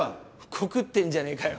コクってんじゃねぇかよ！